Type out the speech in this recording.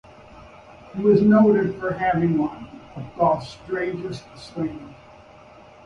He was noted for having one of golf's strangest swings.